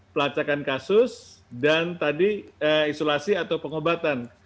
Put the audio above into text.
pelacakan kasus dan tadi isolasi atau pengobatan